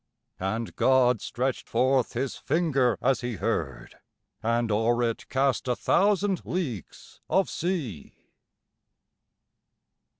And God stretched forth his finger as He heard And o'er it cast a thousand leagues of sea.